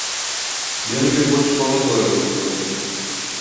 Ён для больш маладой аўдыторыі.